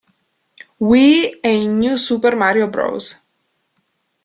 Wii e in New Super Mario Bros.